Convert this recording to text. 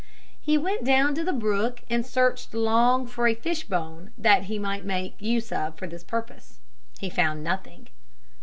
He went down to the brook and searched long for a fish bone that he might make use of for this purpose. He found nothing.